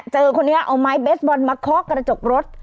คนนี้เอาไม้เบสบอลมาเคาะกระจกรถ